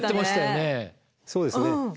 そうですね。